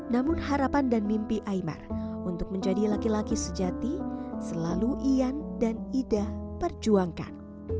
namun harapan dan mimpi imar untuk menjadi laki laki sejati selalu ian dan ida perjuangkan